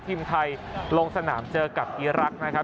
ทีมไทยลงสนามเจอกับอีรักษ์นะครับ